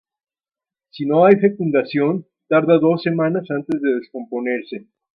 Si no hay fecundación, tarda dos semanas antes de descomponerse.